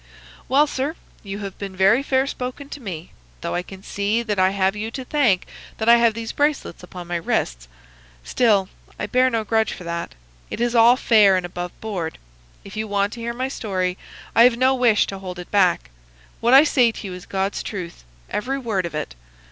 "Well, sir, you have been very fair spoken to me, though I can see that I have you to thank that I have these bracelets upon my wrists. Still, I bear no grudge for that. It is all fair and above board. If you want to hear my story I have no wish to hold it back. What I say to you is God's truth, every word of it.